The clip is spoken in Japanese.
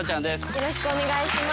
よろしくお願いします。